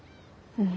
うん。